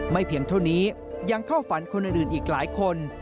เพียงเท่านี้ยังเข้าฝันคนอื่นอีกหลายคน